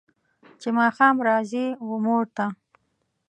چې ماښام راځي و مور ته